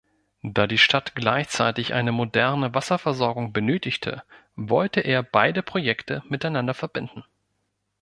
Da die Stadt gleichzeitig eine moderne Wasserversorgung benötigte, wollte er beide Projekte miteinander verbinden.